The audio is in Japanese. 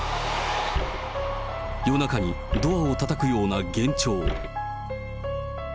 夜中にドアをたたくような幻聴。